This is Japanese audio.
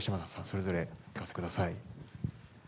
それぞれ聞かせてください。